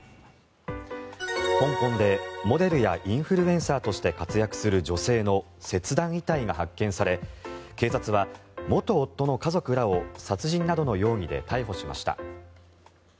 香港でモデルやインフルエンサーとして活躍する女性の切断遺体が発見され警察は元夫の家族らを殺人などの容疑で逮捕しました。